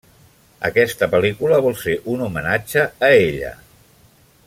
Aquesta pel·lícula vol ser un homenatge a ella.